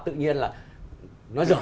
tự nhiên là nó dở ra